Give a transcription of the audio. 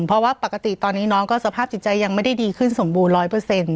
เพราะว่าปกติตอนนี้น้องก็สภาพจิตใจยังไม่ได้ดีขึ้นสมบูรณร้อยเปอร์เซ็นต์